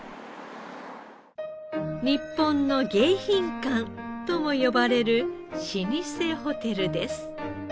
日本の迎賓館とも呼ばれる老舗ホテルです。